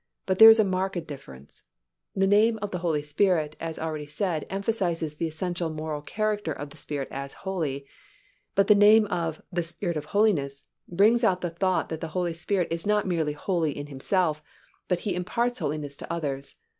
But there is a marked difference. The name of the Holy Spirit, as already said, emphasizes the essential moral character of the Spirit as holy, but the name of the Spirit of holiness brings out the thought that the Holy Spirit is not merely holy in Himself but He imparts holiness to others.